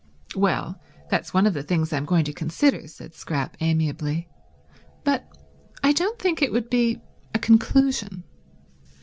"Well, that's one of the things I'm going to consider," said Scrap amiably. "But I don't think it would be a conclusion."